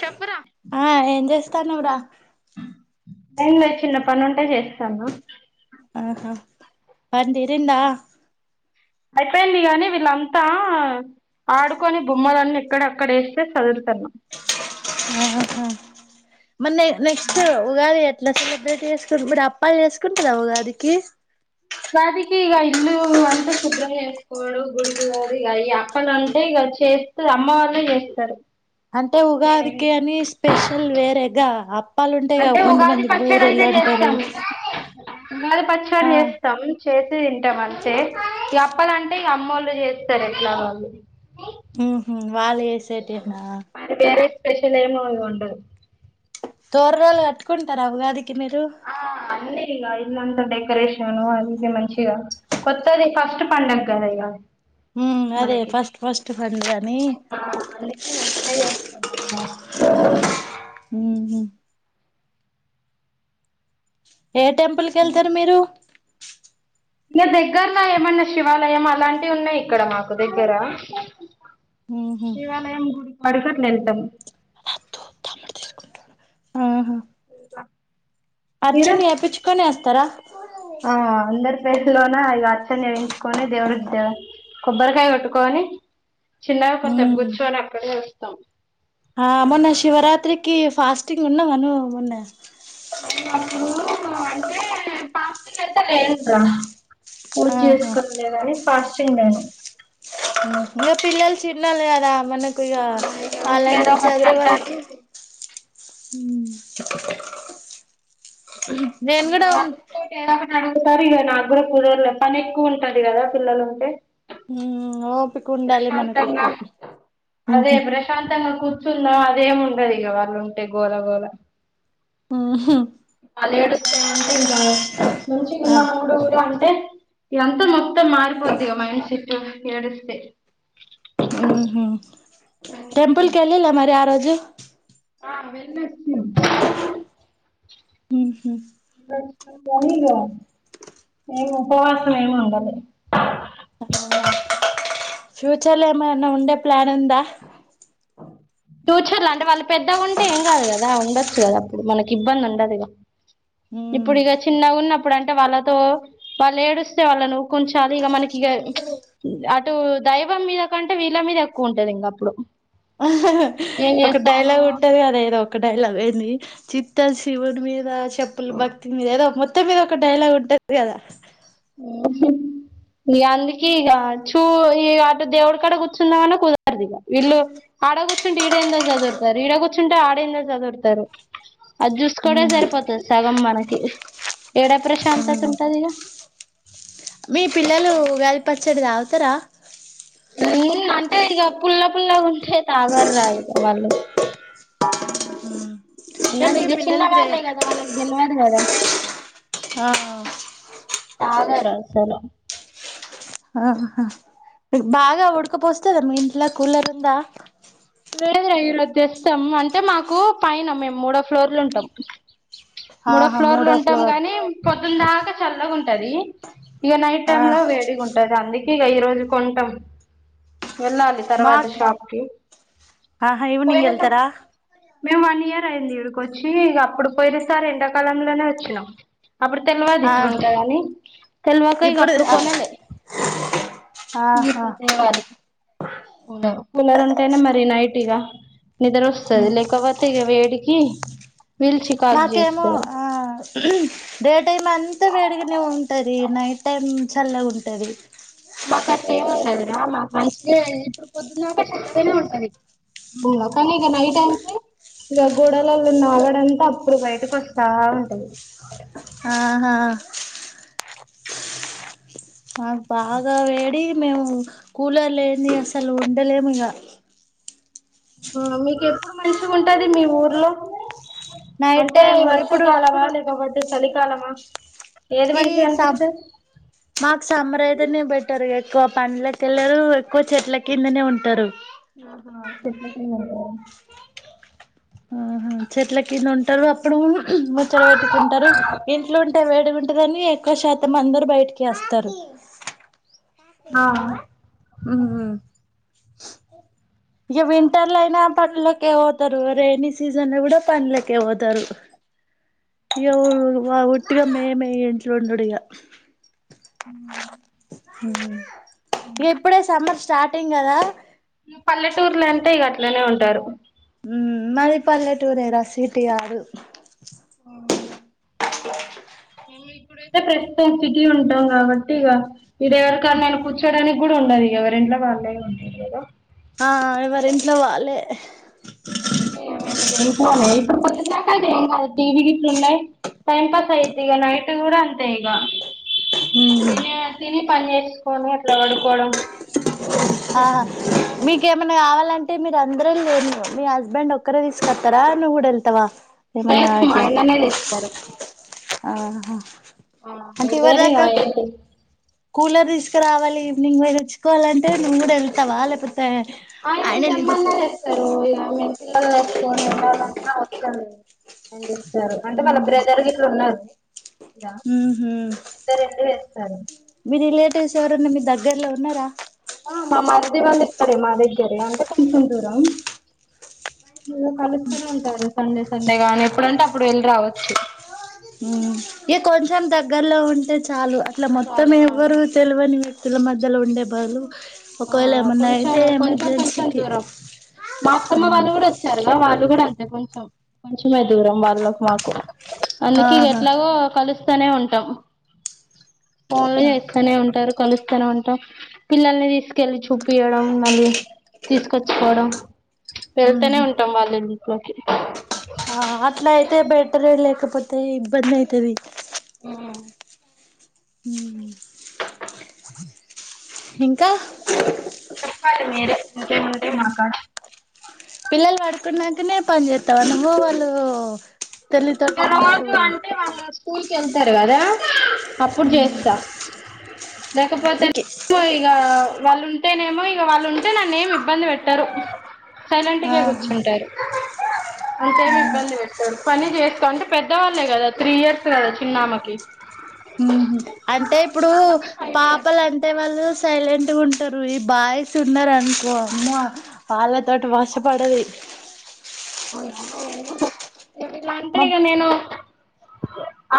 చెప్పురా తన్నవ్ రా ఏం లేదు చిన్న పని ఉంటే చేస్తాన ఆహా పని తీరిందా అయిపోయింది గానీ వీళ్ళంతా ఆడుకొని బొమ్మలన్నీ ఎక్కడ అక్కడ ఎస్తే చదురుతన్నా ఆహా మరి నే నెక్స్ట్ ఉగాది క ఎట్లా సెలబ్రేట్ చేసుకుడు అప్పాలు చేసుకుంటరా ఉగాది కీ ఉగాది కీ ఇక ఇల్లు అంతా శుభ్రం చేసుకోడు గుడికీ పోవుడు ఇక ఈ అప్పలు అంటే ఇక చేస్త అమ్మ వాళ్ళ చేస్తారు అంటే నేనేమి ఉగాదికి అని స్పెషల్ వేరేగా అ అప్పాలు ఉంటాయి కా అంటే ఉగాది కొంతమంది పచ్చడి బూరుెళ్ళ అయితే అంటారు చేస్తాము ఉగాది పచ్చడి ఆ చేస్తాం చేసి తింటాం అంతే ఈ అప్పలంటే ఇగ అమ్మోళ్ళు చేస్తారు ఎట్లా వాళ్ళు ఆహ వాళ్ళు చేసటీయనా మరి వేరే స్పెషల్ ఏమి ఉండదు చొర్రాలు కట్టుకుంటారా ఉగాది ఆ అన్నే ఇకా ఇల్లు అంత డెక్ రేషను అదిది మంచిగా కొత్తది ఫస్ట్ పండగ కద ఇగా ఉమ్ అదే మనకి ఫస్ట్ ఫస్ట్ పండుగ అని అందుకే మంచి చేసుకుంటాం మేము ఉహూ ఏ టెంపుల్ కీ వెళ్తారు మీరు ఇగా దగ్గరలో ఏమన్నా శివాలయం అలాంటివి ఉన్నాయి ఇక్కడ మాకు దగ్గర ఉహు శివాలయం గుడికి పడగట్ని వెళ్తాం [inaudible] మీరు అర్చను చేప్పించుకొనే ఆస్తారా ేలోన ఈ అర్చనా వేయించుకొని దేవుడి కొబ్బరికాయ కొట్టుకొని చిన్నగా కొసేపు ఉమ్ గుర్చుకని అక్కడే వస్తాం ఆ మొన్న శివరాత్రికి ఫాస్టింగ్ ఉన్నావా నువ్వు మొన్న ఫాస్టింగ్ అయితే లేను రా పూజ ఆహా చేసుకులే గాని ఫస్ట్ ఫాస్టింగ్ లేను. ఇగ పిల్లలు చిన్నోళ్ళు కదా. మనకు ఇగా ఆ ఇగ ఊకే వాళ్లను ఏదో ఒకటి సర్దే అంటారు వరకు ఉమ్ [unintelligible] తారు ఇక నాక్కూడా కుదర్లే పని ఎక్కువ ఉంటాది. కదా పిల్లలు ఉంటే హ్మ్మ్ ఓ ప్రశాంతంగా అదే ఊహు ప్రశాంతంగా కూర్చున్నా. అదేమి ఉండదు. ఇక వాళ్ళు ఉంటే గోల గోల ఊహు వాళ్లు ఏడుస్తావుంటే ఇంకా మంచిగా వున్న మూడ్ కూడా ఆన్ అంత మొత్తం మార్పోద్ ఇగా మైండ్ సెట్ ఏడిస్తే. ఉం అందుకే టెంపుల్ కి వెళ్ళాలే మరి ఆ రోజు [unintelligible] ఆ వెళ్లివచ్చి ఉంటా ఊహు నేను ఉపవాస ఏం ఉండలే. ఫ్యూచర్ లో ఏమన్నా ఉండే ప్లాన్ ఉందా. ఫ్యూచర్ లో అంటే వాళ్ళు పెద్దగా ఉంటే ఏం కాదు కదా ఉండొచ్చు కదా అప్పుడు మనకి ఇబ్బంది ఉండదు. ఇక మ్ ఇప్పుడు ఇక చిన్నగా ఉన్నప్పుడు అంటే వాళ్ళతో వాళ్ళు ఏడుస్తే వాళ్ళ ను ఉంచాలి ఇక మనకి ఇక అటు దైవం మీద కంటే వీళ్ళ మీద ఎక్కువ ఉంటది ఇంక అప్పుడు ఏం ఒక చేస్తారు డైలాగ్ ఉంటంది. కదా ఏదో ఒక డైలాగ్ ఏంది. చిత్తము శివుని మీద చెప్పులు భక్తి మీద ఏదో మొత్తం మీద ఒక డైలాగ్ ఉంటది కదా. ఈ అందుకే ఇగ చూ ఈ అటు దేవుడి కడ కూర్చుందామన్నా కుదరదు. ఇక వీళ్ళు ఆడ కూర్చుంటే ఈడే ఏందో సర్దుతారు. ఈడ కూర్చుంటే ఆడేందో సదురుతారు. అది చూస్కోడై కూడా మ్మ్ సరిపోతది సగం మనకీ ఎడ ప్రశాంతత ఉంటాది ఇగ మీ పిల్లలు వెళ్ పచ్చడి తాగుతార. అంటే ఇక పుల్ల పుల్లగా ఉంటే తాగర్ రా ఇక వాళ్ళు. కానీ మరి మీ ఇగ చిన్న పిల్లలకి రే వాళ్ళే గదా వాళ్ళకి తేల్వద్ గదా. ఆ ఆగారాలు సరే ఆహా బాగా ఉడకపోస్తాదా మీ ఇంట్ల కూలర్ ఉందా. లేదు ఈరోజు తెస్తాం అంటే మాకు పైన మేము మూడో ఫ్లోర్లు ఉంటాం. మూడో ఆహా ఫ్లోర్లు ఉంటాం ఫ్లోర్ గానీ, పొద్దుందాక చల్లగాంటది. ఇక నైట్ ఆ టైమ్ లో వేడిగా ఉంటది. అందుకే, ఇగ ఈ రోజు కొంటాం. వెళ్ళాలి తర్వాత మాక్ షాప్కి. ఆహా [unintelligible] ఈవినింగ్ వెళ్తారా వచ్చి ఇగ అప్పుడు పోయి సార్ ఎండాకాలంలోనే వచ్చినం అప్పుడు తెల్వది ఆహా ఇట్లుంటదని తెల్వక ఇగ ఇప్పుడు అప్పుడు కొనలేప్పుడు ఇగ ఆహా ఇప్పుడు తేవాలి కూలరు. కూలర్ ఉంటేనే మరి నైట్ ఇగ నిద్ర మ్మ్ వస్తది లేకపోతే ఇగ వేడికి వీల్ చికాగ్ చేస్ ఏమో డే టైమ్ అంతా వేడిగనే ఉం టది. Night time చల్లగుంటది. మాక్ అట్లేం ఉండదురా మాక్ మంచిగే ఇప్పుడు పొద్దున్దాకా చల్లగనే ఉంటది కని ఇగ నైట్ అయితే ఇక గోడాలల్ల ఆగడంతా అప్పుడు బయటకి వస్తా ఉంటది. ఆహా మాకు బాగా వేడి మేము కూలర్ లేంది అసలు ఉండలేము ఇగ ఆ మీకెప్పుడు మంచిగుంటది మీ ఊర్లో నైట్ అంటే టైం ఈ ఇప్పుడు వర్షాకాలమా లేక వడ్ చలికాలమా ఏది ఈ మంచిగా సం అనిపిస్తది మాక్ సమ్మర్ అయితేనే బెటర్గా ఎక్కువ పంన్లకెల్లరు ఎక్కువ చెట్ల కిందనే ఉంటరు ఆహా చెట్ల కింద [inaudible] ఆహా చెట్ల కింద ఉంటారు అప్పుడు ముచ్చట పెట్టుకుంటరు ఇంట్లుంటే వేడి ఉంటదని ఎక్కువ శాతం అందరు బయటికే అస్తరు. ఆ మ్ ఇగ వింటర్లయినా పనులకే పోతారు. రైనీ సీజన్ల గూడా పనులకే పోతరు ఇగ ఒట్టిగా మేమే ఇంట్ల ఉండుడిగ ఉ హ్ ఎప్పుడే సమ్మర్ స్టార్టింగ్ కదా పల్లెటూర్లంటే ఇగ అట్లనే ఉంటారు. మ్ మాది పల్లెటూరేరా సిటీ కాదు. మేము ఇప్పుడైతే ప్రస్తుతం సిటీ ఉంటాం కాబట్టి ఇగ ఈడ ఎవరికాడనైనా కూర్చోడానికి గుడా ఉండది ఎవర్ ఇంట్ల వాళ్ళే ఉంటరు కదా ఆ ఎవర్ ఇంట్లో వాళ్ళే ఇంట్లోనే ఇప్పుడు పొద్దుందాకా [unintelligible] టీవీ గిట్లున్నయి టైం పాస్ అయ్యిద్ది ఇగ నైట్ కూడా తే ఇగ తినే తిని పన్ చేస్ పోని ఎట్లా పడుకోవడం ఆ సరిపోతది ఇంకేమన్నా కావాలంటే మీరు అందరూ వెళ్తారా మీ హస్బెండ్ ఒక్కరే తీసుకస్తారా నువ్వు కూడా వెళ్తావా ఏమన్నా లేదు మా ఆయననే తెస్తారు ఆ యువర్ వేరే దాకా ఏంటి కూలర్ తీసుకోలే రావాలి ఈవినింగ్ వరకు తెచ్చుకోవాలి వస్తే నువ్వు కూడా వెళ్తావా లేకపోతే ఆయనను ఆయననే తీస్ తెమ్మన్నా తెచ్చిస్తారు ఇక నేను పిల్లలను పట్టుకొని వెళ్లాలన్న అవ్వదు ఏంటి అంటే వాళ్ళ బ్రదర్ ఇట్లు ఉన్నారు ఇలా ఉ హు ఇద్దరెళ్ళి తెస్తారు విరిలే కొట్టేసేవారు ఎవరన్నా మీ దగ్గరలో ఉన్నారా ఆ మా మరిది వాళ్లు ఇక్కడే మా దగ్గరే అంటే ఆ కొంచెం దూరం ఇలా కలుస్తనే ఉంటారు సండే సండే గా అని ఎప్పుడంటే అప్పుడు వెళ్ళి రావచ్చు ఉ కొంచెం దగ్గరలో ఉంటే చాలు అట్లా మొత్తం చాలా ఎవరు తెలియనివి వ్యక్తుల మధ్యలో ఉండే బరువు ఆ కొంచెం కొంచెం కొంచెం దూరం మా అత్తమ్మ వాళ్ళు కూడా వచ్చారుగా వాళ్ళు కూడా కొంచెం కొంచెం మే దూరం వాళ్ళకి మాకు అందుక ఆహా ఎట్లాగో కలుస్త ఇక్కడనే ఉంటాం ఫోన్లు చేస్తానే ఉంటారు కలుస్తానే ఉంటాం పిల్లల్ని తీసుకొని తీసుకువెళ్లి చూపి చూపియడం మళ్ళీ తీసుకొచ్చుకోవడం వెళ్తేనే ఉహు ఉంటాం వాళ్ళు ఇంట్లోకి అట్లా అయితే బెటరే లేకపోతే ఇబ్బంది అయితది ఉ ఇంకా చెప్పాలి మీరే ఇంకేం ఉంటాయి మాకాడా ఇక నువ్వు వాళ్ళు తల్లితోటి ఉన్నప్పుడు రోజు కూడా అంటే వాళ్ళు స్కూల్ కి స్కూల్ కి వెళ్తారు కదా అప్పుడు చేస్తా లేకపోతే వికి ఇగా వాళ్ళుంటేనేమో ఇక వాళ్ళు ఉంటే నన్న ఏమి ఇబ్బంది పెట్టరు సైలెంట్ గా ఆహా కూర్చుంటారు అంతేమి ఆహా ఇబ్బంది పెట్టారు పని చేస్త అంటే పెద్దవాళ్ళే కదా త్రీ ఇయర్స్ కదా చిన్న ఆమెకి ఉహు అంటే ఇప్పుడు ఆమెకి ఆమెకి ఫైవ్ ఇయర్స్ పాపలు అంటే వాళ్ళు సైలెంట్ గా ఉంటారు ఈ బాయ్స్ ఉన్నారు అనుకో అమ్మో వాళ్ళతోటి వశపడది అవునా ఏం చేస్తున్నావ్ ఇవ్వ్ ఇలా అంటే మా ఇక నేను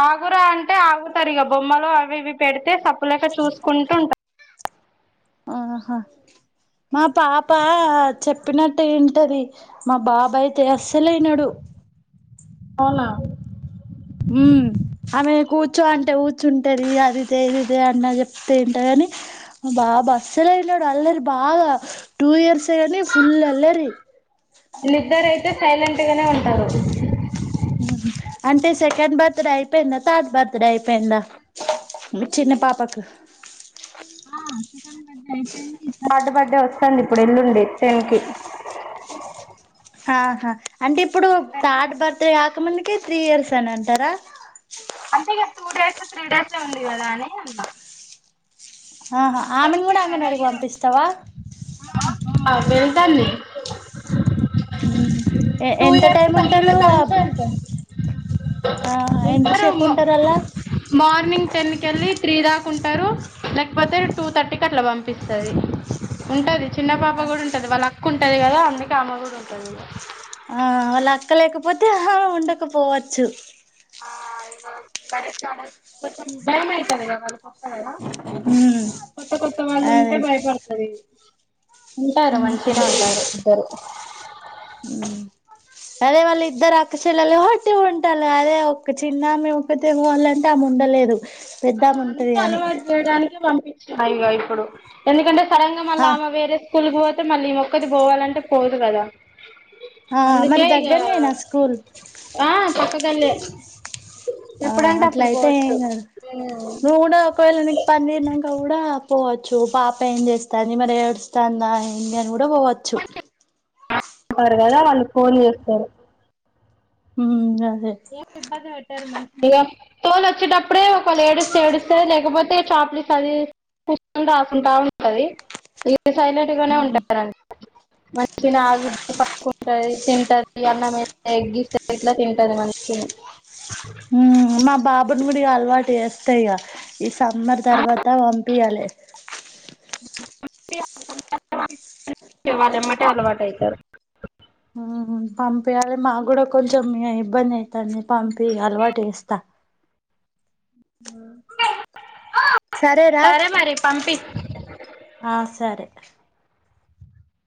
ఆగురా అంటే ఆగుతారు ఇక బొమ్మలు అవి ఇవి పెడితే తప్పు లేక చూసుకుంటూ ఉంటా ఆహా మా పాప చెప్పినట్టు ఇంటది మా బాబ అయితే అస్సలు వినడు అవునా ఉమ్ ఆమె కూర్చో అంటే కూర్చుంటది ఆది త్య ఇది త్య అంటే చెప్తే వింటది కానీ బాబు అస్సలు వినడు అల్లరి బాగా టు ఇయర్స్ అయితే గానీ ఫుల్ అల్లరి టెంట్ గానే ఉంటారు అంటే సెకండ్ బర్త్ డే అయిపోయిందా థర్డ్ బర్త్డే అయిపోయిందా చిన్న పాపకు ఆ సెకండ్ బర్త్డే అయిపోయింది థర్డ్ బర్త్ డే వస్తాంది ఇప్పుడు ఎల్లుండి టెన్ కి ఆహా అంటే ఇప్పుడు థర్డ్ బర్త్ డే ఎంత మందికి త్రీ ఇయర్స్ అని అంటారా అంతే గా టూ డేస్ త్రీ డేస్ ఐ ఉంది కదా అని అన్నా ఆహా ఆమెను కూడా అంగన్వాడికి పంపిస్తావా వెళ్తాంది యూ టూ ఎంత ఇయర్స్ టైం ఉంటారు తగిలిన ఆ కాంచే వెళ్తాంది ఉంటారు ఎంతసేపు ఉంటారు అలా మార్నింగ్ టెన్ కి వెళ్ళి త్రీ దాకా ఉంటారు లేకపోతే టూ థర్టీ కి అట్ల పంపిస్తాది ఉంటది చిన్న పాప కూడా ఉంటది వాళ్ళ అక్క ఉంటది కదా అందుకే ఆమె కూడా ఉంటది ఆ వాళ్ల అక్క లేక పో వొదోహం ఉండకపోవచ్చు కొంచెం భయం అయితాంది కదా [unintelligible] ఉమ్ కొత్త కొత్త వాళ్ళు అదే ఉంటే భయపడతాది ఉంటారు మంచిగనే ఉంటారు ఇద్దరు యూ అదే వాళ్లు ఇద్దరూ అక్క చెల్లెలు కాబట్టి ఉంటాలే అదే ఒక్క చిన్న ఆమె ఒక్కతే పోవాలంటే ఆమె ఉండలేదు ఆ పెద్దామె ఉంటది అందుకే కాని అలవాటు చేయడానికి పంప్ హాయిగా ఇప్పుడు ఎందుకంటే సడన్ గా మల్ల ఆ ఆమె వేరే స్కూల్ కి పో తే మళ్ళీ ఈమె ఒక్కటే పోవాలంటే పోదు కదా ఆ అందుకే మరి ఇక దగ్గర నేనా స్కూల్ ఆ పక్క గన్నే ఆ అట్ల అయితే ఏం కాదు నువు కూడా ఒకవేళ నికి [unintelligible] కూడా పోవచ్చు పాప ఏం చేస్తాంది మరి ఏడుస్తాంద ఏంది అని కూడా పోవచ్చు పర్ కదా వాళ్ళు ఫోన్ చేస్తారు ఉమ్ అదే ఏబ మ ఇ తోల్ వచ్చేటప్పుడే ఒక ఏడుస్తే ఏడుస్తంది లేకపోతే చాప్లిస్ అది కూసుంట ఆకుంటా ఉంటది ఇది సైలెంట్ గానే ఉంటారండి మంచి ఆగి పంటంది తింటంది అన్నమ ఎగ్గిస్త ఇట్లా తింటది మంచి చె ఉమ్ మా బాబుని కూడా ఈ అలవాటు చేస్తాయిక ఈ సమ్మర్ తర్వాత పంపయాలి [unintelligible] అలవాటు అయితారు పంపయాలి మాకు కూడా కొంచెం ఇబ్బంది అవుతుంది పంపి అలవాటు వేస్తా ఆ సరేరా ఆ సరే